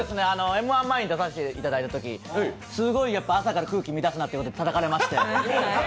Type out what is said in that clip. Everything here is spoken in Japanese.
「Ｍ−１」前に出させていただいたときにすごい空気乱すなとたたかれまして。